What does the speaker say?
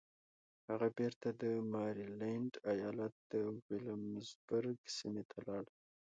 هغه بېرته د ماريلنډ ايالت د ويلمزبرګ سيمې ته لاړ.